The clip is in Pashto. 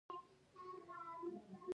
د ادارې تشکیل باید د اړتیاوو پر بنسټ وي.